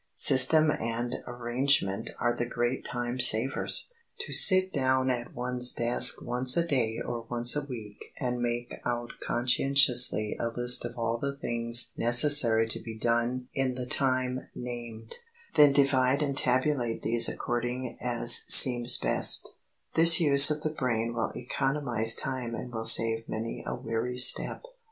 System and arrangement are the great time savers. To sit down at one's desk once a day or once a week and make out conscientiously a list of all the things necessary to be done in the time named, then divide and tabulate these according as seems best,—this use of the brain will economize time and will save many a weary step.